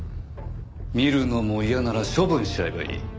見るのも嫌なら処分しちゃえばいい。